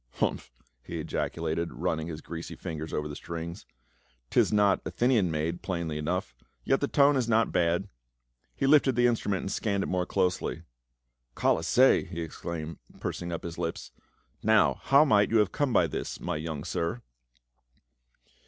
" Hump !" he ejaculated, running his greasy fingers over the strings, " 'tis not Athenian made plainly enough, yet the tone is not bad." He lifted the in strument and scanned it more closely. " Colossae !" he exclaimed, pursing up his lips. " Now, how might you have come by this, my young sir?"